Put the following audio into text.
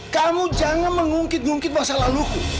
kamu jangan mengungkit ngungkit masalah luku